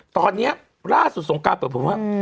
ตอนนี้ร่าดสุดสงกาเปิดกลุ่มมา